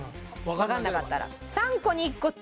わかんなかったら。